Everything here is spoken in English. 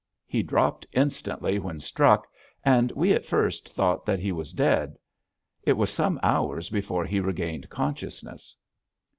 He dropped instantly when struck, and we at first thought that he was dead. It was some hours before he regained consciousness.